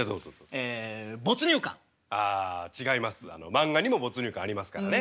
漫画にも没入感ありますからね。